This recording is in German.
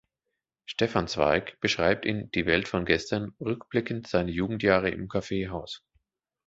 Stefan Zweig beschreibt in „Die Welt von Gestern“ rückblickend seine Jugendjahre im Kaffeehaus.